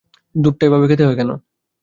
দুধটা এভাবেই খেতে হয় কেন?